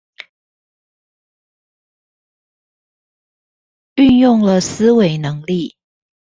運用了思維能力